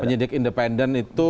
penyidik independen itu